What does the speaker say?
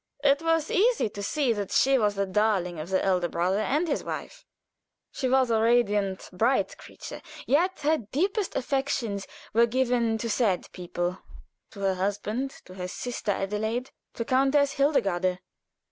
It was easy to see that she was the darling of the elder brother and his wife. She was a radiant, bright creature, yet her deepest affections were given to sad people to her husband, to her sister Adelaide, to Countess Hildegarde.